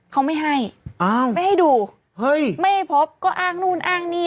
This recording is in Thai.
เขาไม่ให้อ้าวไม่ให้ดูเฮ้ยไม่ให้พบก็อ้างนู่นอ้างนี่